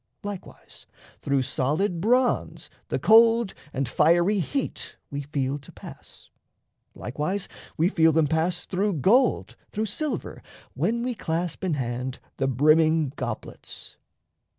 Likewise, Through solid bronze the cold and fiery heat We feel to pass; likewise, we feel them pass Through gold, through silver, when we clasp in hand The brimming goblets.